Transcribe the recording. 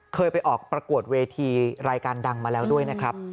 เคยไปออกประกวดเวทีรายการดังมาแล้วด้วยนะครับ